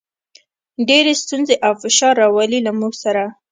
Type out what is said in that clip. ډېرې ستونزې او فشار راولي، له موږ سره.